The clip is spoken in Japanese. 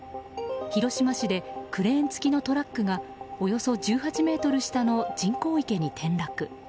広島市でクレーン付きのトラックがおよそ１８ｍ下の人工池に転落。